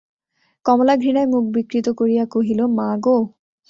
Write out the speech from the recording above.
কমলা ঘৃণায় মুখ বিকৃত করিয়া কহিল, মা গো!